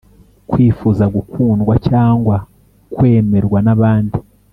kwifuza gukundwa cyangwa kwemerwa n abandi